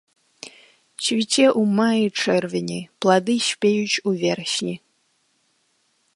Цвіце ў маі-чэрвені, плады спеюць у верасні.